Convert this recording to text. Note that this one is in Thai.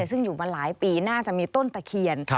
ซึ่งอยู่มาหลายปีน่าจะมีต้นตะเคียน